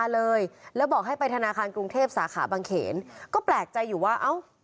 เลยแล้วบอกให้ไปธนาคารกรุงเทพสาขาบางเขนก็แปลกใจอยู่ว่าเอ้า